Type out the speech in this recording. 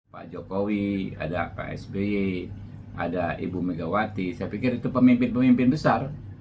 pak jokowi ada pak sby ada ibu megawati saya pikir itu pemimpin pemimpin besar